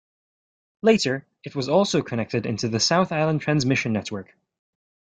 Later, it was also connected into the South Island transmission network.